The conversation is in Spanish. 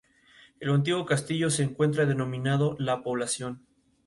El antiguo castillo se encuentra dominando la población.